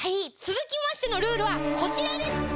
続きましてのルールはこちらです。